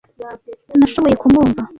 Nashoboye kumwumva.